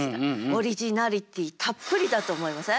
オリジナリティたっぷりだと思いません？